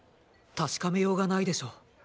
確かめようがないでしょう。